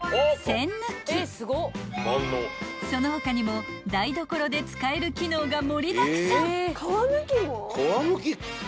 ［その他にも台所で使える機能が盛りだくさん］